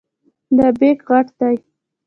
دا بیک غټ دی.